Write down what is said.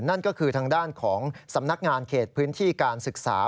นั่นก็คือทางด้านของสำนักงานเขตพื้นที่การศึกษา